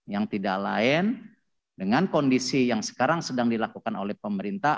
yang tidak lain dengan kondisi yang sekarang sedang dilakukan oleh pemerintah